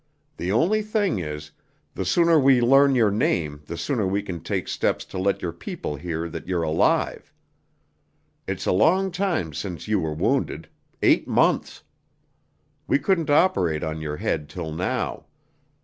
The only thing is, the sooner we learn your name the sooner we can take steps to let your people hear that you're alive. It's a long time since you were wounded: eight months. We couldn't operate on your head till now.